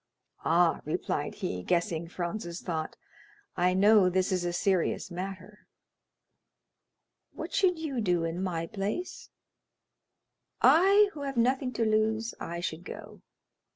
"Ah," replied he, guessing Franz's thought, "I know this is a serious matter." "What should you do in my place?" "I, who have nothing to lose,—I should go."